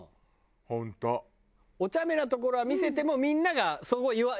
おちゃめなところは見せてもみんながそうねっ。